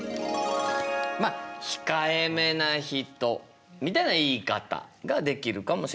まあ控えめな人みたいな言い方ができるかもしれない。